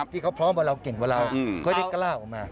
ที่เขาพร้อมกว่าเราเก่งกว่าเราก็ได้กล้าออกมา